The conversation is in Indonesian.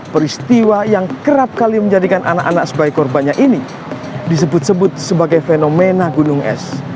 peristiwa yang kerap kali menjadikan anak anak sebagai korbannya ini disebut sebut sebagai fenomena gunung es